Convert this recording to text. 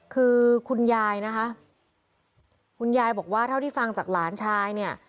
คือคุณยายนะคะคุณยายบอกว่าเท่าที่ฟังจากหลานชายเนี่ย